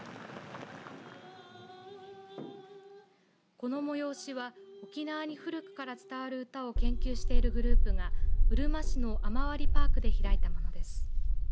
この催しは沖縄に古くから伝わる歌を研究しているグループがうるま市のあまわりパークで開いたものです。